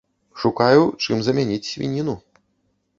Шукаю, чым замяніць свініну.